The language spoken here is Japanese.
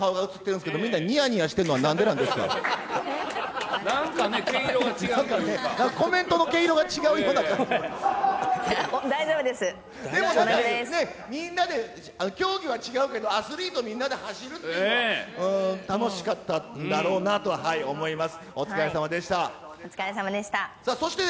でもなんかみんなで、競技は違うけど、アスリートみんなで走るっていうのは、楽しかっただろうなとは思います。